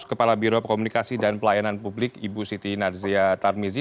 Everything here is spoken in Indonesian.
kepala biro komunikasi dan pelayanan publik ibu siti narzia tarmizi